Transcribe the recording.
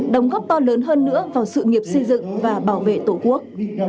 đồng góp to lớn hơn nữa vào sự nghiệp xây dựng và bảo vệ tổ quốc